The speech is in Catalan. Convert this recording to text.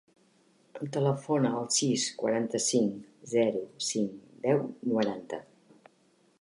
Telefona al sis, quaranta-cinc, zero, cinc, deu, noranta.